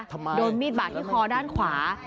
โดนมีดบาดที่คอด้านขวา